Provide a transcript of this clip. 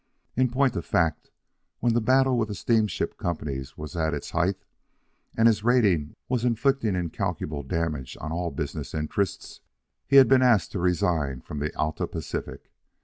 In point of fact, when the battle with the steamship companies was at its height and his raid was inflicting incalculable damage on all business interests, he had been asked to resign from the Alta Pacific.